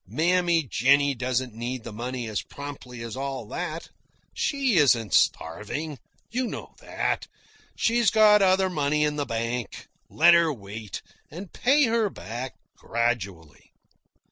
Mammy Jennie doesn't need the money as promptly as all that. She isn't starving. You know that. She's got other money in the bank. Let her wait, and pay her back gradually."